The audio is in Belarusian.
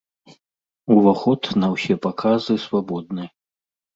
Уваход на ўсе паказы свабодны.